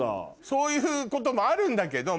そういうこともあるんだけど。